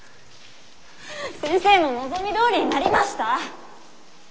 先生の望みどおりになりました。